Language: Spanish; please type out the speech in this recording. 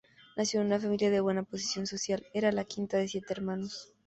Nació en una familia de buena posición social, era la quinta de siete hermanos.